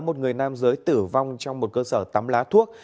một người nam giới tử vong trong một cơ sở tắm lá thuốc